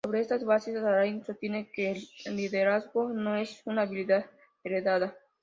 Sobre esta base, Adair sostiene que el liderazgo no es una habilidad heredada.